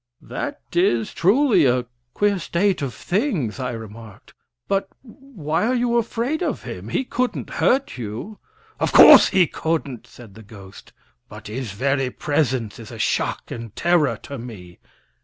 "That is truly a queer state of things," I remarked. "But why are you afraid of him? He couldn't hurt you." "Of course he couldn't," said the ghost. "But his very presence is a shock and terror to me.